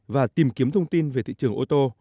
và tìm kiếm thông tin về thị trường ô tô